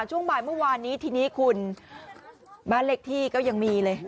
ช่วงบ่ายเมื่อวานนี้ทีนี้คุณบ้านเลขที่ก็ยังมีเลย